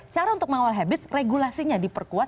cara untuk mengawal habis regulasinya diperkuat